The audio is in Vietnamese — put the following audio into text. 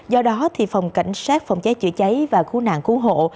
do đó thì phòng cảnh sát phòng cháy chữa cháy và cứu nạn cứu hộ